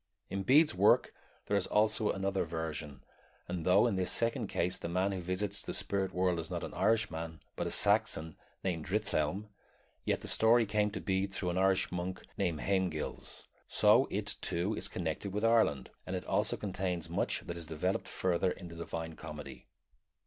In Bede's work there is also another vision, and though in this second case the man who visits the spirit world is not an Irishman, but a Saxon named Drithelm, yet the story came to Bede through an Irish monk named Haemgils; so it, too, is connected with Ireland, and it also contains much that is developed further in the Divine Comedy.